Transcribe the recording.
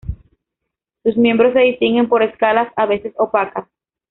Sus miembros se distinguen por escalas a veces opacas.